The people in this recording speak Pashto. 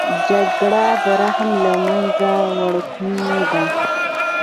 جګړه د رحم له منځه وړونکې ده